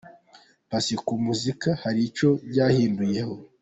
Paccy : Ku muziki, hari icyo byahinduye.